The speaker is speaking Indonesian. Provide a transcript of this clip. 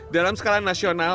dalam skala nasional